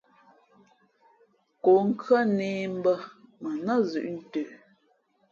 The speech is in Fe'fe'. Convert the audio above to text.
Kǒnkhʉ́ά nē mbᾱ mα nά zʉ̌ʼ ntə.